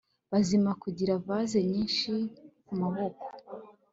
bazima kugira vase nyinshi kumaboko